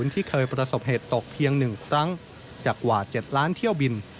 ที่เคยประสบเหตุตกเพียง๑ครั้งจากกว่า๗ล้านเที่ยวบิน